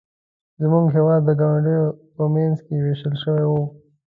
زموږ هېواد د ګاونډیو په منځ کې ویشل شوی و.